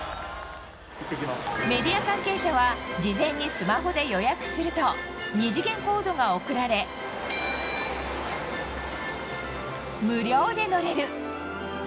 メディア関係者は事前にスマホで予約すると２次元コードが送られ無料で乗れる。